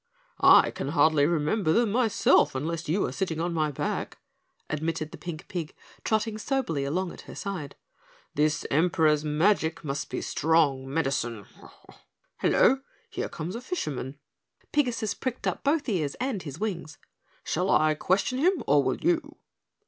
"I can hardly remember them myself unless you are sitting on my back," admitted the pink pig, trotting soberly along at her side. "This Emperor's magic must be strong medicine. Hello! Here comes a fisherman." Pigasus pricked up both ears and his wings. "Shall I question him or will you?"